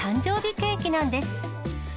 ケーキなんです。